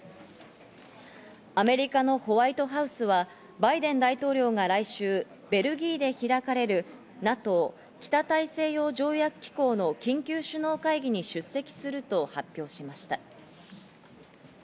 アメリカのホワイトハウスがバイデン大統領が来週、ベルギーで開かれるＮＡＴＯ＝北大西洋条約機構の緊急首脳会議に出席すると発表しました。